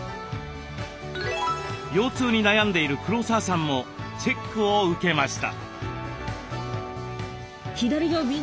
腰痛に悩んでいる黒沢さんもチェックを受けました。